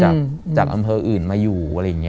นิมนต์จากอำเภออื่นมาอยู่